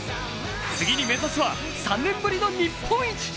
次に目指すは３年ぶりの日本一。